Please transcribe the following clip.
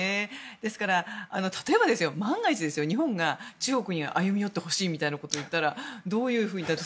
ですから例えば万が一、日本が中国に歩み寄ってほしいみたいなことを言ったらどうなるんだろうと。